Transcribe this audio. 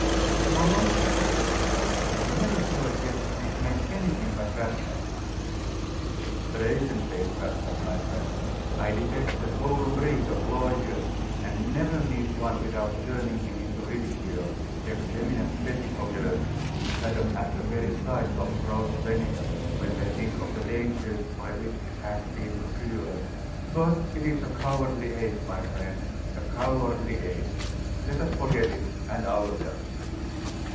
'The forum?' said Raphael. 'I never saw it yet make men anything but rascals.' 'Brazen faced rascals, my friend. I detest the whole breed of lawyers, and never meet one without turning him into ridicule; effeminate pettifoggers, who shudder at the very sight of roast venison, when they think of the dangers by which it has been procured. But it is a cowardly age, my friend a cowardly age. Let us forget it, and ourselves.